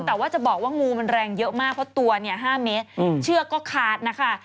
แต่ว่าจะบอกว่างูมันแรงเยอะมากเพราะตัวเนี่ย๕เมตรเชือกก็ขาดนะคะ